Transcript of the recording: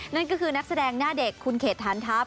นั่นก็คือนักแสดงหน้าเด็กคุณเขตฐานทัพ